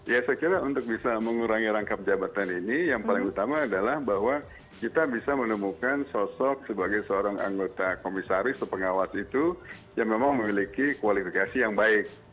ya saya kira untuk bisa mengurangi rangkap jabatan ini yang paling utama adalah bahwa kita bisa menemukan sosok sebagai seorang anggota komisaris atau pengawas itu yang memang memiliki kualifikasi yang baik